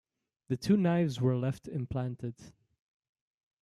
The two knives were left implanted.